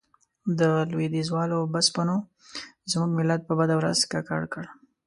د لوېديځوالو بسپنو زموږ ملت په بده ورځ ککړ کړ.